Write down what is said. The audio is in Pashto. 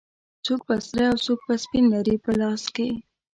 څوک به سره او څوک به سپین لري په لاس کې